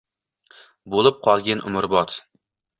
Bo’lib qolgin umrbod.